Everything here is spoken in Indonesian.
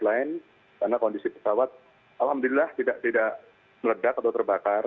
karena kondisi pesawat alhamdulillah tidak meledak atau terbakar